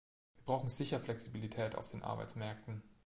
Wir brauchen sicher Flexibilität auf den Arbeitsmärkten.